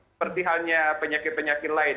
seperti halnya penyakit penyakit lain